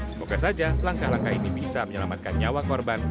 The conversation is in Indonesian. semoga saja langkah langkah ini bisa menyelamatkan nyawa korban